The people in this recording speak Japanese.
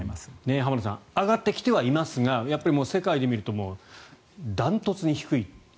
浜田さん上がってきてはいますが世界で見ると断トツに低い。